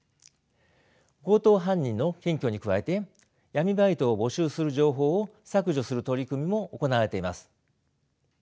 強盗犯人の検挙に加えて闇バイトを募集する情報を削除する取り組みも行われています。